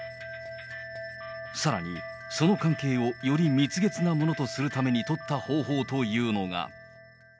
さらに、その関係をより蜜月なものにするために取った方法というのが。